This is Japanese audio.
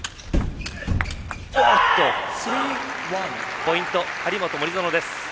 ポイント、張本、森薗です。